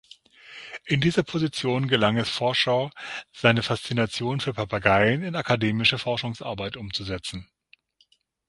In dieser Position gelang es Forshaw, seine Faszination für Papageien in akademische Forschungsarbeit umzusetzen.